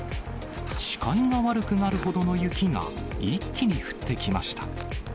視界が悪くなるほどの雪が一気に降ってきました。